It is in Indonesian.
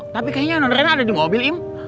tapi kayaknya norena ada di mobil im